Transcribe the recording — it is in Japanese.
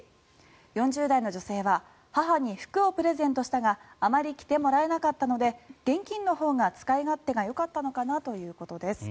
４０代の女性は母に服をプレゼントしたがあまり着てもらえなかったので現金のほうが使い勝手がよかったのかなということです。